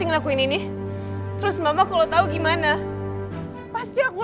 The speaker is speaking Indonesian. enggak aku mau